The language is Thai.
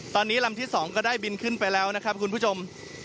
ตอนนี้ลำที่๒ก็ได้บินขึ้นไปแล้วนะครับคุณผู้ชม